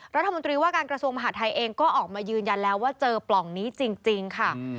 รัฐมนตรีว่าการกระทรวงมหาทัยเองก็ออกมายืนยันแล้วว่าเจอปล่องนี้จริงค่ะ